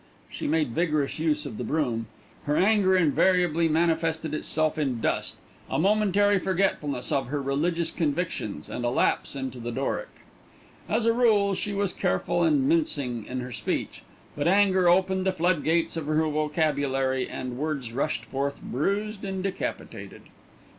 She made vigorous use of the broom. Her anger invariably manifested itself in dust, a momentary forgetfulness of her religious convictions, and a lapse into the Doric. As a rule she was careful and mincing in her speech, but anger opened the flood gates of her vocabulary, and words rushed forth bruised and decapitated.